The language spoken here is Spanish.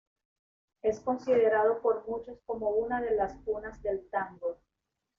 Es considerado por muchos como una de las cunas del tango.